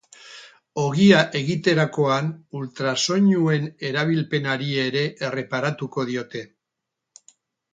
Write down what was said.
Ogia egiterakoan ultrasoinuen erabilpenari ere erreparatuko diote.